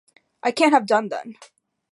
I can't have done, then.